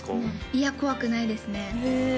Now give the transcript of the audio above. いや怖くないですねへえ